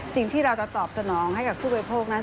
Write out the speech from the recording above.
สิ่งที่เราจะตอบสนองให้กับผู้บริโภคนั้น